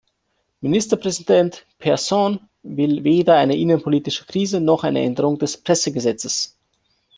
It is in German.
Ministerpräsident Persson will weder eine innenpolitische Krise noch eine Änderung des Pressegesetzes.